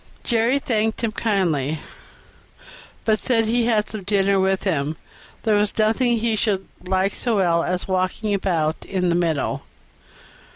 Jerry thanked him kindly, but said as he had some dinner with him there was nothing he should like so well as walking about in the meadow.